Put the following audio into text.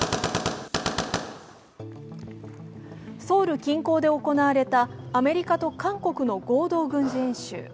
ソウル近郊で行われたアメリカと韓国の合同軍事演習。